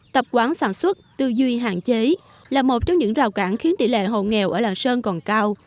tập quán sản xuất tư duy hạn chế là một trong những rào cản khiến tỷ lệ hồ nghèo ở làng sơn còn cao